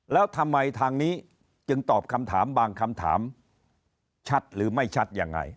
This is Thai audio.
แล้วทำไมทางนี้จึงตอบคำถามบางคำถามชัดหรือไม่ชัดยังไง